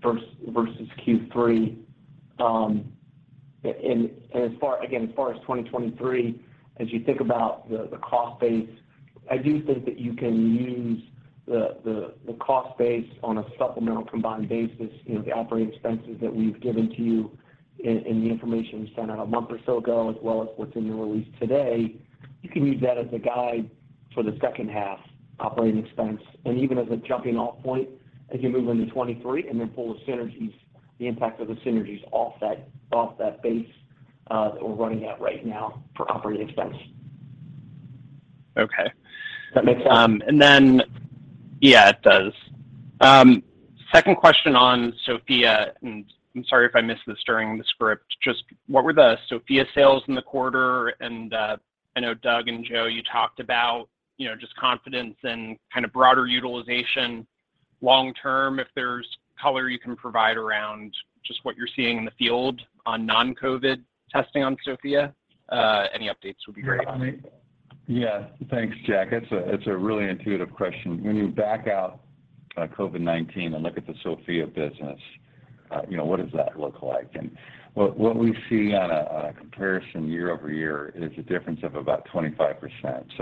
versus Q3. And as far... Again, as far as 2023, as you think about the cost base, I do think that you can use the cost base on a supplemental combined basis, you know, the operating expenses that we've given to you in the information we sent out a month or so ago, as well as what's in the release today. You can use that as a guide for the second half operating expense and even as a jumping off point as you move into 2023 and then pull the synergies, the impact of the synergies off that base that we're running at right now for operating expense. Okay. Does that make sense? Yeah, it does. Second question on Sofia, and I'm sorry if I missed this during the script. Just what were the Sofia sales in the quarter? I know Doug and Joe, you talked about, you know, just confidence and kind of broader utilization long term. If there's color you can provide around just what you're seeing in the field on non-COVID testing on Sofia, any updates would be great. Yeah. Thanks, Jack. It's a really intuitive question. When you back out COVID-19 and look at the Sofia business, you know, what does that look like? What we see on a comparison year-over-year is a difference of about 25%.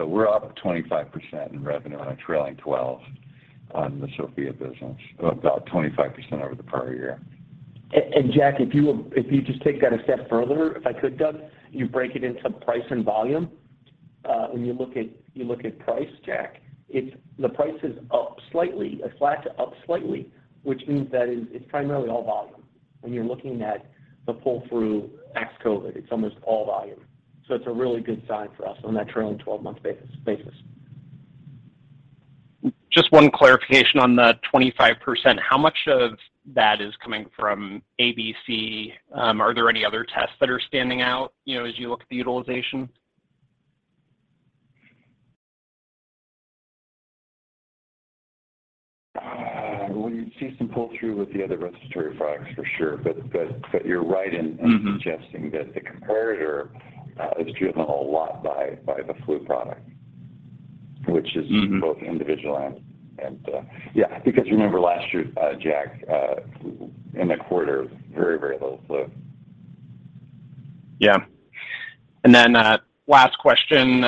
We're up 25% in revenue on a trailing 12 on the Sofia business, about 25% over the prior year. Jack, if you will, if you just take that a step further, if I could, Doug, you break it into price and volume. When you look at price, Jack, it's the price is up slightly, flat to up slightly, which means it's primarily all volume. When you're looking at the pull through ex-COVID, it's almost all volume. It's a really good sign for us on that trailing 12-month basis. Just one clarification on the 25%. How much of that is coming from ABC? Are there any other tests that are standing out, you know, as you look at the utilization? Well, you see some pull through with the other respiratory products for sure, but you're right in suggesting that the comparator is driven a lot by the flu product, which is both individual. Yeah. Because remember last year, Jack, in the quarter, very little flu. Yeah. Last question.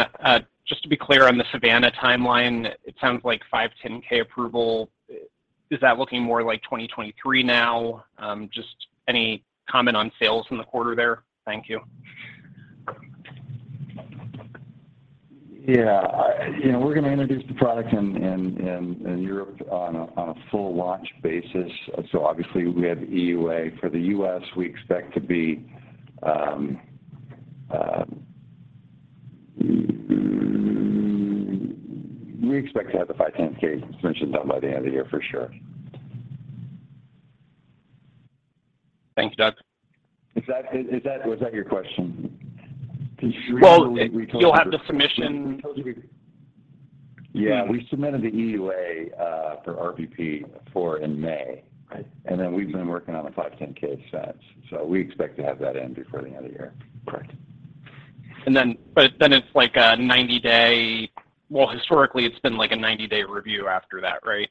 Just to be clear on the Savanna timeline, it sounds like 510(k) approval. Is that looking more like 2023 now? Just any comment on sales in the quarter there? Thank you. Yeah. You know, we're gonna introduce the product in Europe on a full launch basis. Obviously we have EUA. For the U.S., we expect to have the 510(k) submission done by the end of the year for sure. Thanks, Doug. Was that your question? Well, you'll have the submission. Yeah. We submitted the EUA for RVP in May. Right. We've been working on the 510(k) since. We expect to have that in before the end of the year. Correct. Well, historically, it's been like a 90-day review after that, right?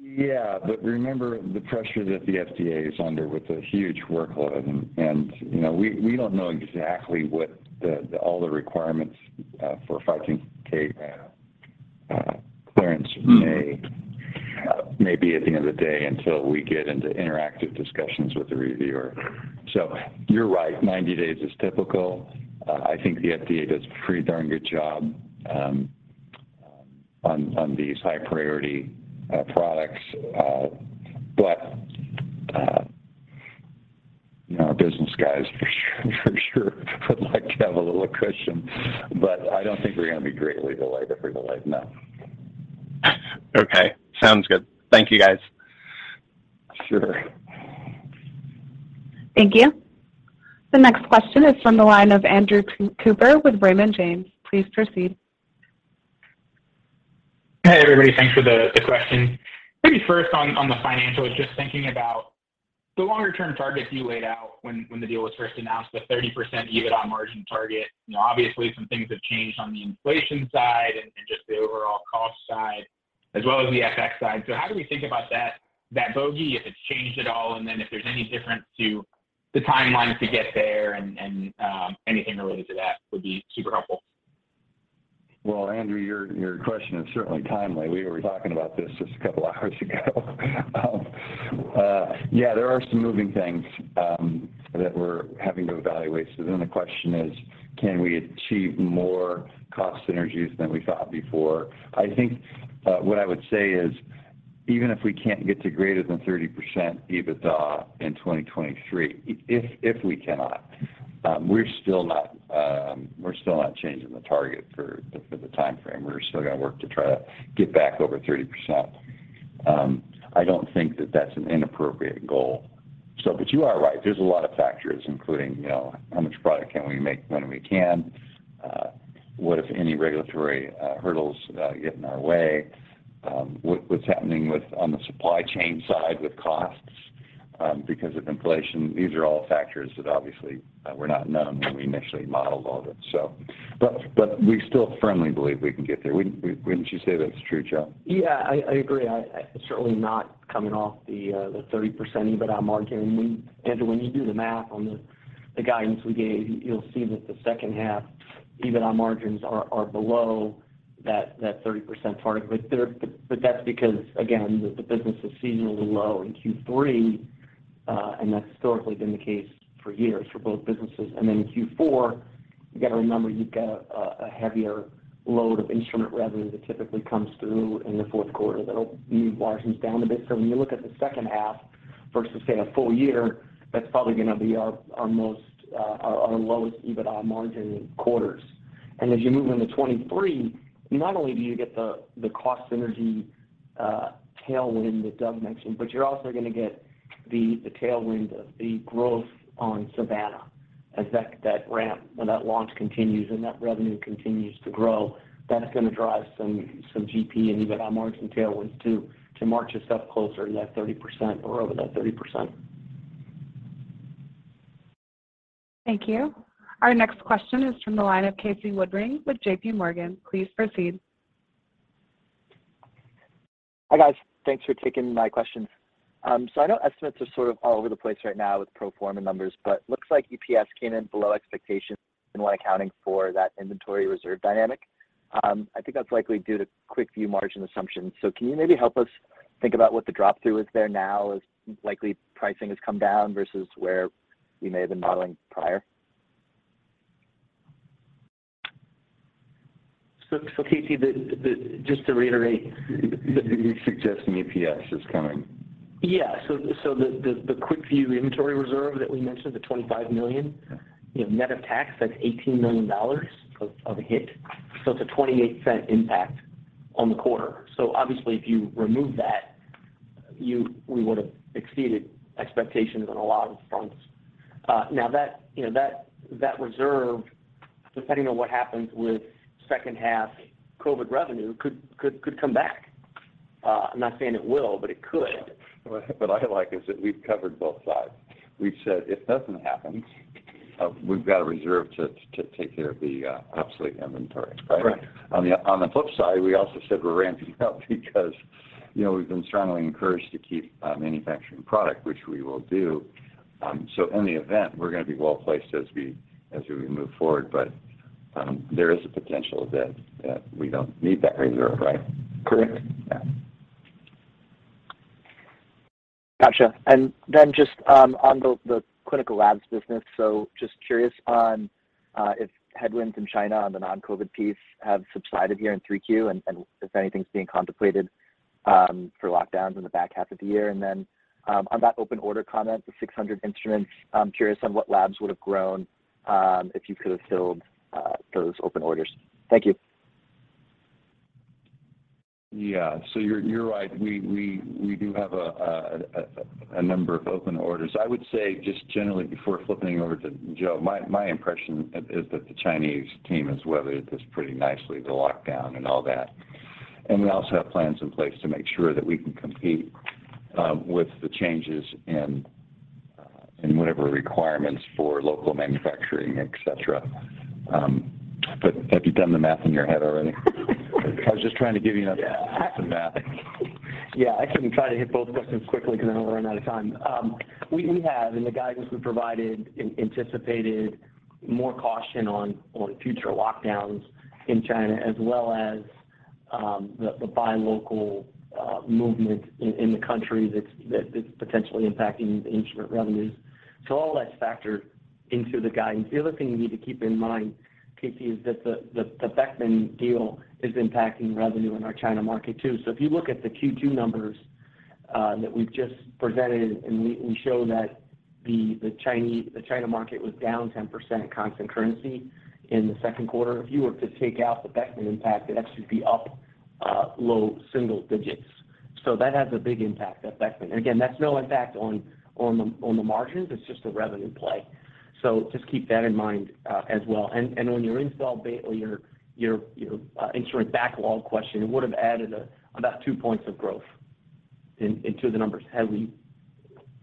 Yeah. Remember the pressure that the FDA is under with a huge workload and you know we don't know exactly what the all the requirements for 510(k) clearance may be at the end of the day until we get into interactive discussions with the reviewer. You're right, 90 days is typical. I think the FDA does a pretty darn good job on these high priority products. You know, our business guys for sure would like to have a little cushion. I don't think we're gonna be greatly delayed, if we're delayed. No. Okay. Sounds good. Thank you, guys. Sure. Thank you. The next question is from the line of Andrew Cooper with Raymond James. Please proceed. Hey, everybody. Thanks for the question. Maybe first on the financials, just thinking about the longer term targets you laid out when the deal was first announced, the 30% EBITDA margin target. You know, obviously some things have changed on the inflation side and just the overall cost side as well as the FX side. How do we think about that bogey, if it's changed at all, and then if there's any difference to the timeline to get there and anything related to that would be super helpful. Well, Andrew, your question is certainly timely. We were talking about this just a couple of hours ago. Yeah, there are some moving things that we're having to evaluate. The question is, can we achieve more cost synergies than we thought before? I think what I would say is even if we can't get to greater than 30% EBITDA in 2023, if we cannot, we're still not changing the target for the time frame. We're still gonna work to try to get back over 30%. I don't think that that's an inappropriate goal. You are right. There's a lot of factors including, you know, how much product can we make, when we can, what, if any, regulatory hurdles get in our way, what's happening on the supply chain side with costs because of inflation. These are all factors that obviously were not known when we initially modeled all this. But we still firmly believe we can get there. Wouldn't you say that's true, Joe? Yeah, I agree. It's certainly not coming off the 30% EBITDA margin. Andrew, when you do the math on the guidance we gave, you'll see that the second half EBITDA margins are below that 30% target. That's because again, the business is seasonally low in Q3, and that's historically been the case for years for both businesses. Then in Q4, you got to remember you've got a heavier load of instrument revenue that typically comes through in the fourth quarter that'll leave margins down a bit. When you look at the second half versus say, a full year, that's probably gonna be our lowest EBITDA margin quarters. As you move into 2023, not only do you get the cost synergy tailwind that Doug mentioned, but you're also gonna get the tailwind of the growth on Savanna as that ramp or that launch continues and that revenue continues to grow. That's gonna drive some GP and EBITDA margin tailwinds to march us up closer to that 30% or over that 30%. Thank you. Our next question is from the line of Casey Woodring with JPMorgan. Please proceed. Hi, guys. Thanks for taking my questions. I know estimates are sort of all over the place right now with pro forma numbers, but looks like EPS came in below expectations and when accounting for that inventory reserve dynamic. I think that's likely due to QuickVue margin assumptions. Can you maybe help us think about what the drop through is there now as likely pricing has come down versus where we may have been modeling prior? Casey, just to reiterate. You're suggesting EPS is coming. Yeah. The QuickVue inventory reserve that we mentioned, the $25 million, you know, net of tax, that's $18 million of hit. It's a $0.28 impact on the quarter. Obviously if you remove that, we would have exceeded expectations on a lot of fronts. Now that, you know, that reserve, depending on what happens with second half COVID revenue could come back. I'm not saying it will, but it could. What I like is that we've covered both sides. We've said if nothing happens, we've got a reserve to take care of the obsolete inventory. Right? Correct. On the flip side, we also said we're ramping up because, you know, we've been strongly encouraged to keep manufacturing product, which we will do. In the event, we're gonna be well-placed as we move forward. There is a potential that we don't need that reserve. Right? Correct. Yeah. Gotcha. Then just on the clinical labs business. Just curious on if headwinds in China on the non-COVID piece have subsided here in 3Q and if anything's being contemplated for lockdowns in the back half of the year. On that open order comment, the 600 instruments, I'm curious on what labs would have grown if you could have filled those open orders. Thank you. Yeah. You're right. We do have a number of open orders. I would say just generally before flipping it over to Joe, my impression is that the Chinese team has weathered this pretty nicely, the lockdown and all that. We also have plans in place to make sure that we can compete with the changes in whatever requirements for local manufacturing, etcetera. Have you done the math in your head already? I was just trying to give you enough. Yeah. some math. Yeah, I can try to hit both questions quickly because I know we're running out of time. We have in the guidance we provided and anticipated more caution on future lockdowns in China as well as the buy local movement in the country that's potentially impacting the instrument revenues. All that's factored into the guidance. The other thing you need to keep in mind, Casey, is that the Beckman deal is impacting revenue in our China market too. If you look at the Q2 numbers that we've just presented, and we show that the China market was down 10% constant currency in the second quarter. If you were to take out the Beckman impact, it'd actually be up low single digits. That has a big impact, that Beckman. Again, that's no impact on the margins. It's just a revenue play. Just keep that in mind as well. When you answer your instrument backlog question, it would have added about 2% growth into the numbers had we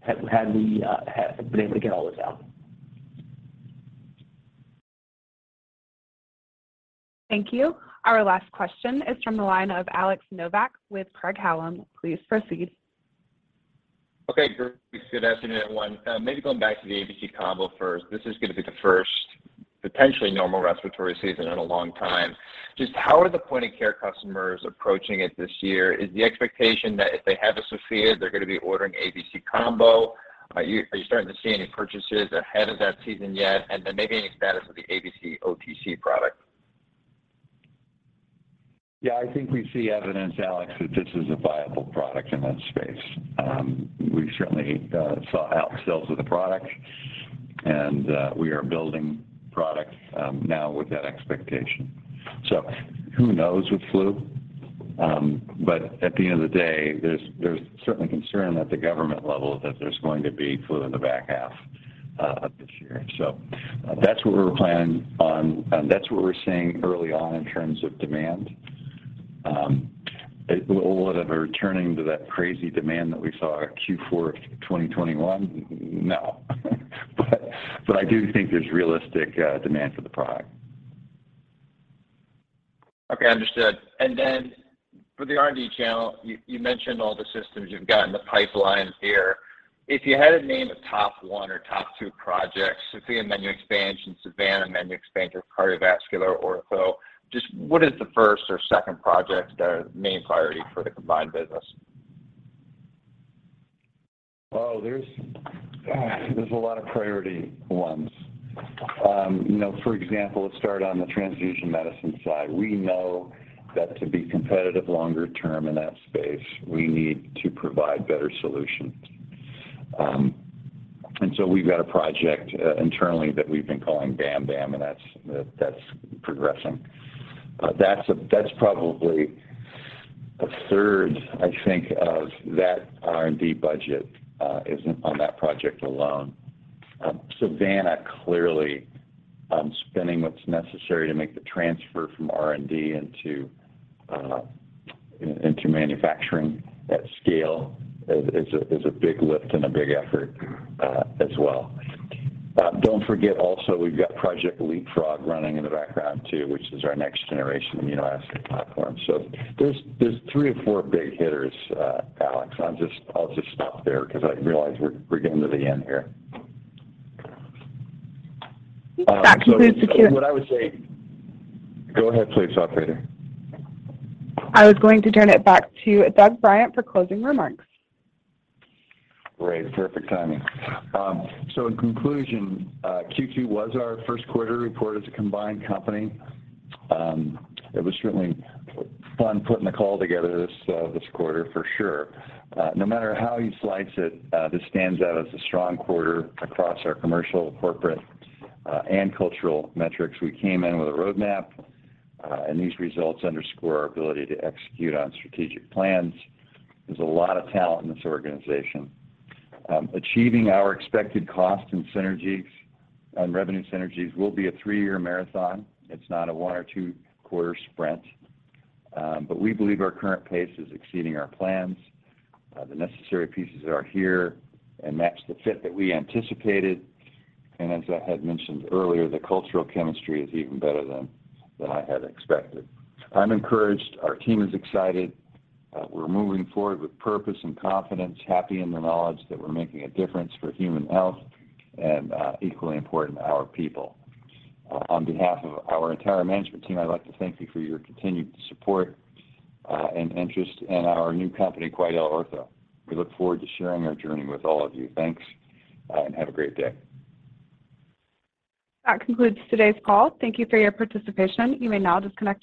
had been able to get all this out. Thank you. Our last question is from the line of Alex Nowak with Craig-Hallum. Please proceed. Okay, great. Good afternoon, everyone. Maybe going back to the ABC Combo first. This is gonna be the first potentially normal respiratory season in a long time. Just how are the point of care customers approaching it this year? Is the expectation that if they have a Sofia, they're gonna be ordering ABC Combo? Are you starting to see any purchases ahead of that season yet? Maybe any status of the ABC OTC product. Yeah, I think we see evidence, Alex, that this is a viable product in that space. We certainly saw our sales with the product, and we are building products now with that expectation. Who knows with flu. At the end of the day, there's certainly concern at the government level that there's going to be flu in the back half of this year. That's what we're planning on, and that's what we're seeing early on in terms of demand. Will it ever turn into that crazy demand that we saw at Q4 2021? No. I do think there's realistic demand for the product. Okay, understood. Then for the R&D channel, you mentioned all the systems you've got in the pipeline here. If you had to name a top one or top two projects, Sofia menu expansion, Savanna menu expansion, cardiovascular, Ortho, just what is the first or second project that are main priority for the combined business? Oh, there's a lot of priority ones. You know, for example, let's start on the transfusion medicine side. We know that to be competitive longer term in that space, we need to provide better solutions. We've got a project internally that we've been calling Bam Bam, and that's progressing. That's probably a third, I think, of that R&D budget is on that project alone. Savanna, clearly, spending what's necessary to make the transfer from R&D into manufacturing at scale is a big lift and a big effort, as well. Don't forget also we've got Project Leapfrog running in the background too, which is our next-generation immunoassay platform. There's three or four big hitters, Alex. I'll just stop there because I realize we're getting to the end here. That concludes. What I would say. Go ahead, please, operator. I was going to turn it back to Doug Bryant for closing remarks. Great. Perfect timing. So in conclusion, Q2 was our first quarter report as a combined company. It was certainly fun putting the call together this quarter for sure. No matter how you slice it, this stands out as a strong quarter across our commercial, corporate, and cultural metrics. We came in with a roadmap, and these results underscore our ability to execute on strategic plans. There's a lot of talent in this organization. Achieving our expected cost and synergies and revenue synergies will be a three-year marathon. It's not a one or two quarter sprint. We believe our current pace is exceeding our plans. The necessary pieces are here and match the fit that we anticipated. As I had mentioned earlier, the cultural chemistry is even better than I had expected. I'm encouraged. Our team is excited. We're moving forward with purpose and confidence, happy in the knowledge that we're making a difference for human health and, equally important, our people. On behalf of our entire management team, I'd like to thank you for your continued support, and interest in our new company, QuidelOrtho. We look forward to sharing our journey with all of you. Thanks, and have a great day. That concludes today's call. Thank you for your participation. You may now disconnect your lines.